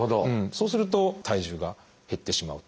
そうすると体重が減ってしまうと。